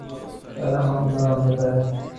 سارا معاملہ بتایا۔